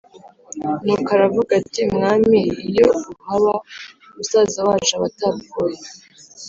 Nuko aravuga ati “Mwami iyo uhaba musaza wacu aba atapfuye”